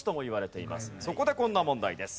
そこでこんな問題です。